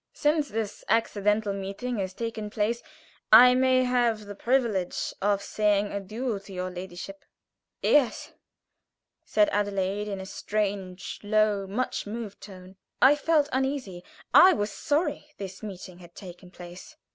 "Since this accidental meeting has taken place, I may have the privilege of saying adieu to your ladyship." "Yes " said Adelaide, in a strange, low, much moved tone. I felt uneasy, I was sorry this meeting had taken place.